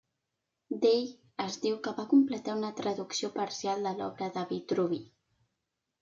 D'ell es diu que va completar una traducció parcial de l'obra de Vitruvi.